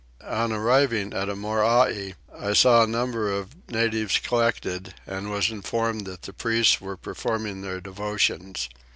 On arriving at a Morai I saw a number of the natives collected and was informed that the priests were performing their devotions.